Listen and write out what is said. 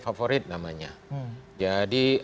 favorit namanya jadi